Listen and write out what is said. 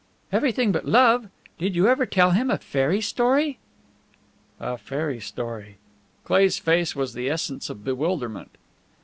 "Everything but love. Did you ever tell him a fairy story?" "A fairy story!" Cleigh's face was the essence of bewilderment.